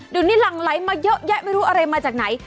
ดูนี่หลังไลก์มาเยอะแยะไม่รู้อะไรมาจากไหน